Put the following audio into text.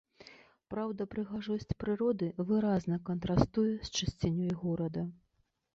Праўда, прыгажосць прыроды выразна кантрастуе з чысцінёй горада.